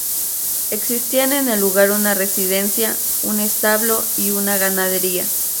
Existían en el lugar una residencia, un establo y una ganadería.